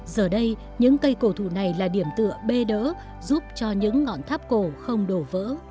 giờ đây những cây cổ thụ này là điểm tựa bê đỡ giúp cho những ngọn tháp cổ không đổ vỡ